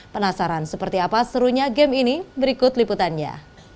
penasaran seperti apa serunya game ini berikut liputannya